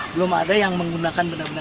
belum ada yang menggunakan sepak bola